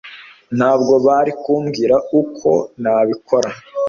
ntabwo bari kumbwira uko nabikora